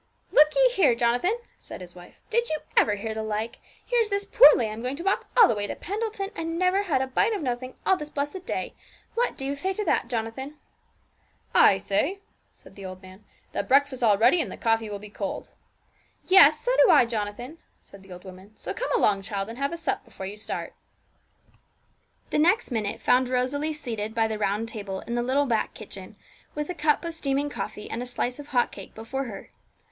'Look ye here, Jonathan,' said his wife, 'did you ever hear the like? Here's this poor lamb going to walk all the way to Pendleton, and never had a bite of nothing all this blessed day! What do you say to that, Jonathan?' 'I say,' said the old man, 'that breakfast's all ready, and the coffee will be cold.' 'Yes; so do I, Jonathan,' said the old woman; 'so come along, child, and have a sup before you start.' The next minute found Rosalie seated by the round table in the little back kitchen, with a cup of steaming coffee and a slice of hot cake before her.